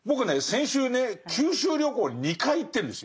先週ね九州旅行に２回行ってるんです。